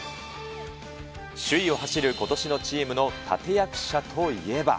首位を走ることしのチームの立て役者といえば。